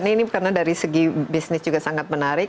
ini karena dari segi bisnis juga sangat menarik